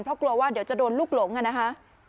เพราะกลัวว่าเดี๋ยวจะโดนลูกหลงอ่ะนะคะ